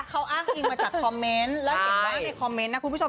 เขาอ้างอิงมาจากคอมเมนต์แล้วเขียนไว้ในคอมเมนต์นะคุณผู้ชม